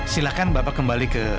silahkan bapak kembali ke